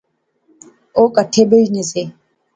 او کہٹھے بہجنے سے